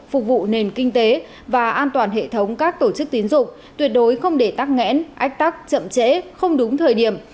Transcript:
phục vụ nền kinh tế và an toàn hệ thống các tổ chức tín dụng tuyệt đối không để tắc nghẽn ách tắc chậm trễ không đúng thời điểm